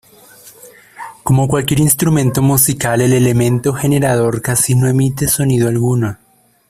Como cualquier instrumento musical, el elemento generador casi no emite sonido alguno.